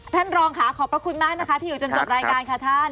ท่านรองค่ะขอบพระคุณมากนะคะที่อยู่จนจบรายการค่ะท่าน